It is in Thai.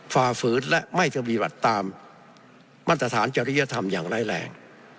ฝ่าฝืดและไม่เทียบริหรัฐตามมาตรฐานเจริยธรรมอย่างไร้แรง